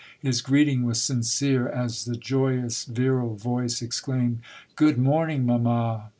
His greeting was sincere, as the joyous, virile voice exclaimed, —" Good morning, mamma."